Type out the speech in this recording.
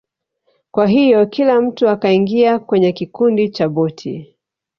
Kwa hiyo kila mtu akaingia kwenye kikundi cha boti